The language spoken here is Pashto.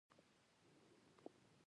چې هرڅه کوښښ وکړ